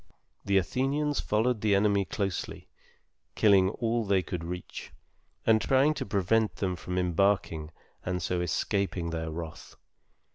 The Athenians followed the enemy closely, killing all they could reach, and trying to prevent them from embarking and so escaping their wrath.